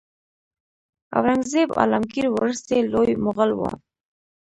اورنګزیب عالمګیر وروستی لوی مغول و.